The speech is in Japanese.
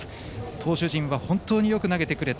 投手陣は本当によく投げてくれた。